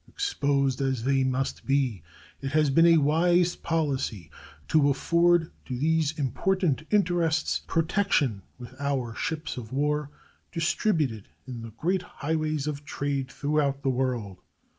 Exposed as they must be, it has been a wise policy to afford to these important interests protection with our ships of war distributed in the great highways of trade throughout the world.